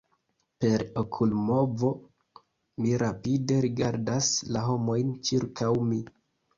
Per okulmovo, mi rapide rigardas la homojn ĉirkaŭ mi.